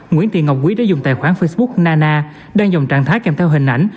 nguyễn thị ngọc quý đã dùng tài khoản facebook nana đang dòng trạng thái kèm theo hình ảnh